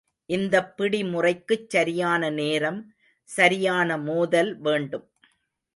இந்தப் பிடிமுறைக்குச் சரியான நேரம், சரியான மோதல் வேண்டும்.